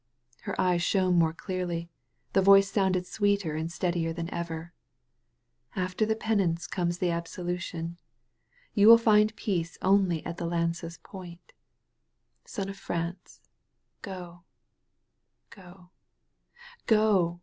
Her eyes shone more clearly; the voice sounded sweeter and steadier than ever. "After the penance comes the absolution. You will find peace only at the lance's point. Son of France, go, go, go!